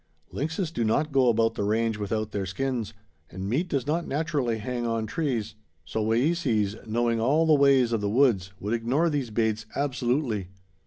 Lynxes do not go about the range without their skins, and meat does not naturally hang on trees; so Wayeeses, knowing all the ways of the woods, would ignore these baits absolutely.